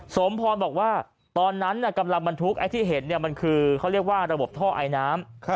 สมพรบอกว่าตอนนั้นกำลังบรรทุกไอ้ที่เห็นมันคือเขาเรียกว่าระบบท่อไอน้ำ